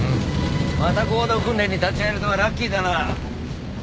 また合同訓練に立ち会えるとはラッキーだな。